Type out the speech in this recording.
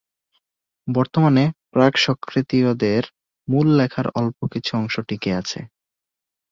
বর্তমানে প্রাক-সক্রেতীয়দের মূল লেখার অল্প কিছু অংশ টিকে আছে।